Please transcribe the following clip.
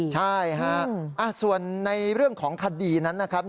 ใช่ฮะส่วนในเรื่องของคดีนั้นนะครับ